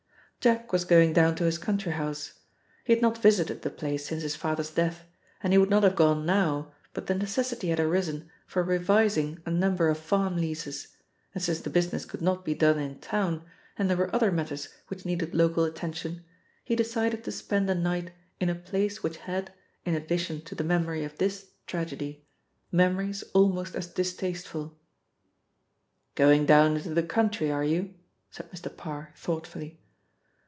Jack was going down to his country house. He had not visited the place since his father's death, and he would not have gone now but the necessity had arisen for revising a number of farm leases, and since the business could not be done in town, and there were other matters which needed local attention, he decided to spend a night in a place which had, in addition to the memory of this tragedy, memories almost as distasteful. "Going down into the country are you?" said Mr. Parr thoughtfully.